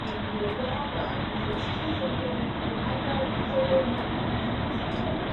Habrá cacería de fieras y toldos".